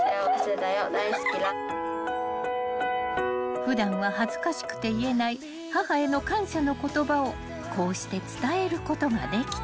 ［普段は恥ずかしくて言えない母への感謝の言葉をこうして伝えることができた］